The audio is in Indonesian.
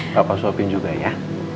papa suapin juga ya